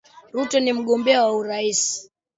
Ruto ni mgombeaji wa urais